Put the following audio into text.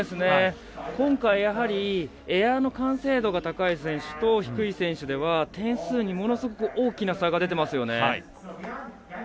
今回やはりエアの完成度が高い選手と低い選手では、点数にものすごく大きな差が出てますよね。